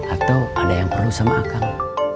atau ada yang perlu sama kami